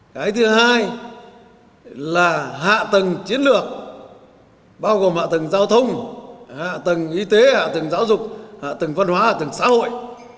cái thứ hai là hạ tầng chiến lược bao gồm hạ tầng giao thông hạ tầng y tế hạ tầng giáo dục hạ tầng văn hóa hạ tầng xã hội